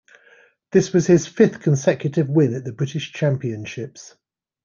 This was his fifth consecutive win at the British Championships.